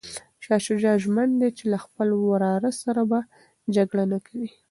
شاه شجاع ژمن دی چي له خپل وراره سره به جګړه نه کوي.